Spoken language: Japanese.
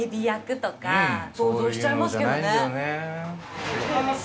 失礼します。